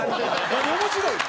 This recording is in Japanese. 何面白いの？